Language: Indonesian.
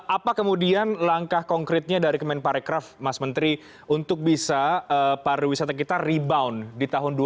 apa kemudian langkah konkretnya dari kemenparekraf mas menteri untuk bisa pariwisata kita rebound di tahun dua ribu dua puluh